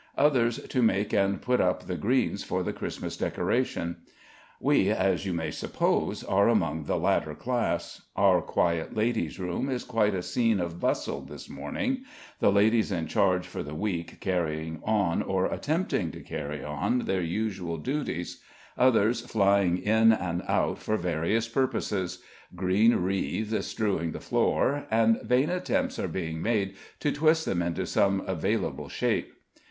others to make and put up the greens for the Christmas decoration; we, as you may suppose, are among the latter class. Our quiet ladies' room is quite a scene of bustle this morning; the ladies in charge for the week carrying on, or attempting to carry on, their usual duties; others flying in and out for various purposes; green wreaths strewing the floor, and vain attempts are being made to twist them into some available shape.